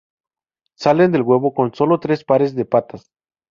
Salen del huevo con solo tres pares de patas.